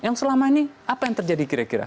yang selama ini apa yang terjadi kira kira